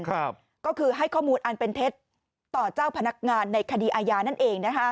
ก็คือให้ข้อมูลอันเป็นเท็จต่อเจ้าพนักงานในคดีอาญานั่นเองนะคะ